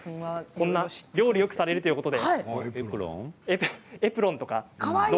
料理をよくされるということで。